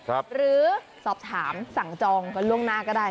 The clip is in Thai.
หรือสอบถามสั่งจองกันล่วงหน้าก็ได้